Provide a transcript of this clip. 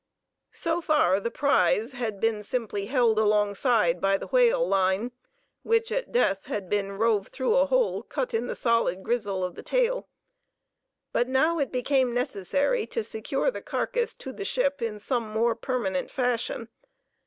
So far the prize had been simply held alongside by the whale line, which at death had been "rove" through a hole cut in the solid gristle of the tail; but now it became necessary to secure the carcass to the ship in some more permanent fashion.